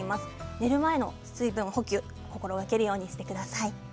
寝る前の水分補給を心がけるようにしてください。